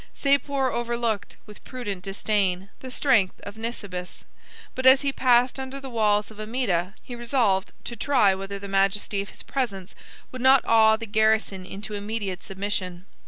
Sapor overlooked, with prudent disdain, the strength of Nisibis; but as he passed under the walls of Amida, he resolved to try whether the majesty of his presence would not awe the garrison into immediate submission.